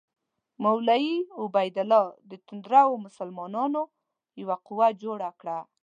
مولوي عبیدالله د توندرو مسلمانانو یوه قوه جوړه کړه.